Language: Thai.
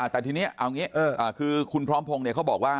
แต่ทีนี้เอาอย่างงี้